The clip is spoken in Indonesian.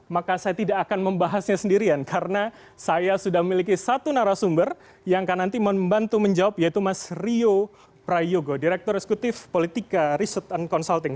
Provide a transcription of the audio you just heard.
maka saya tidak akan membahasnya sendirian karena saya sudah memiliki satu narasumber yang akan nanti membantu menjawab yaitu mas rio prayogo direktur eksekutif politika research and consulting